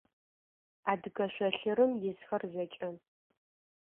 Адыгэ шъолъырым исхэр зэкӏэ.